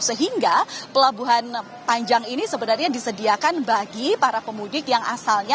sehingga pelabuhan panjang ini sebenarnya disediakan bagi para pemudik yang asalnya